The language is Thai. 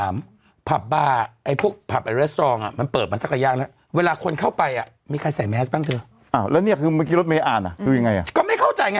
ไม่เกี่ยวพี่ไม่ได้พูดอันนี้